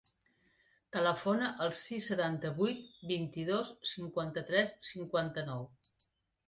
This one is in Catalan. Telefona al sis, setanta-vuit, vint-i-dos, cinquanta-tres, cinquanta-nou.